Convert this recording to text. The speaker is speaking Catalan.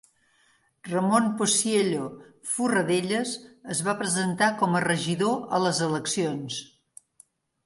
Ramon Pociello Forradellas es va presentar com a regidor a les eleccions.